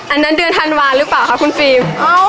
อันนั้นเดือนธันวาลหรือเปล่าคะคุณฟิล์ม